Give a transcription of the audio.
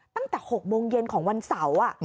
ตั้งแต่๖โมงเย็นของวันเสาร์